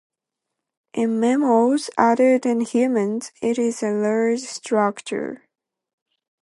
In mammals other than humans, it is a large structure.